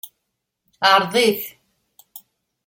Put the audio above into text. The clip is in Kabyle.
Ɛṛeḍ-it.